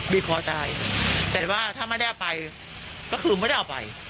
พอใจแต่ว่าถ้าไม่ได้เอาไปก็คือไม่ได้เอาไป